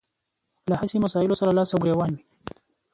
له هسې مسايلو سره لاس او ګرېوان وي.